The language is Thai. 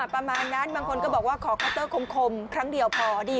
ประมาณนั้นบางคนก็บอกว่าขอคัตเตอร์คมครั้งเดียวพอดี